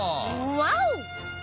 ワオ！